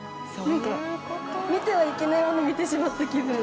何か見てはいけないものを見てしまった気分。